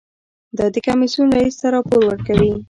دا د کمیسیون رییس ته راپور ورکوي.